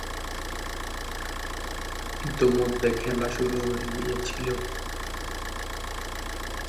ইতোমধ্যে খেলা শুরু হয়ে গিয়েছিল।